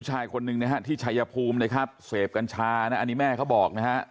ชายคนหนึ่งนะฮะที่ชายภูมินะครับเสพกัญชานะอันนี้แม่เขาบอกนะฮะ